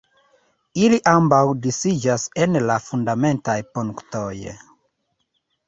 Ili ambaŭ disiĝas en la fundamentaj punktoj.